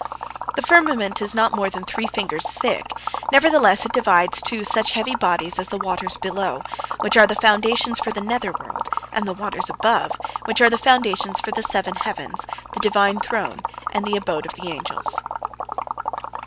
The firmament is not more than three fingers thick, nevertheless it divides two such heavy bodies as the waters below, which are the foundations for the nether world, and the waters above, which are the foundations for the seven heavens, the Divine Throne, and the abode of the angels.